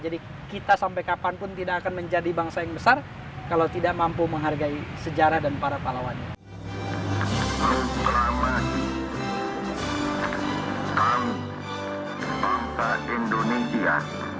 jadi kita sampai kapanpun tidak akan menjadi bangsa yang besar kalau tidak mampu menghargai sejarah dan para pahlawannya